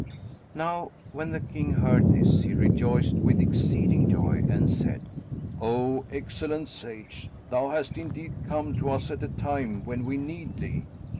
"[FN#27] Now when the King heard this, he rejoiced with exceeding joy and said, "O excellent Sage, thou hast indeed come to us at a time when we need thee."